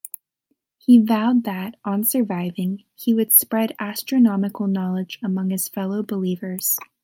He vowed that, on surviving, he would spread astronomical knowledge among his fellow believers.